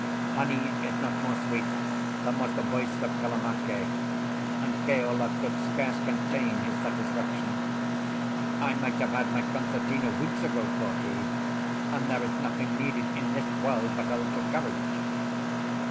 Honey is not more sweet than was the voice of Kalamake, and Keola could scarce contain his satisfaction. "I might have had my concertina weeks ago," thought he, "and there is nothing needed in this world but a little courage."